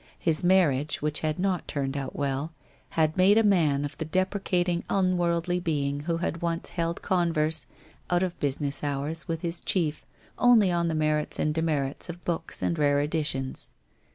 His marriage, which had not turned out well, had made a man of the deprecating, unworldly being who had once held converse, out of busi ness hours, with his chief, only on the merits and demerits of books and rare editions.